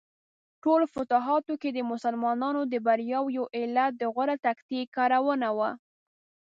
ټولو فتوحاتو کې د مسلمانانو د بریاوو یو علت د غوره تکتیک کارونه وه.